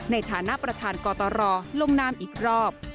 ในฐานะประธานกตรลงนามอีกรอบ